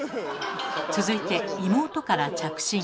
続いて妹から着信。